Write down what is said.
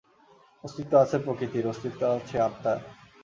অস্তিত্ব আছে প্রকৃতির, অস্তিত্ব আছে আত্মার।